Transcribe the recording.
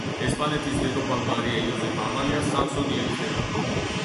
ესპანეთის დედოფალ მარია იოზეფა ამალია საქსონიელის დედა.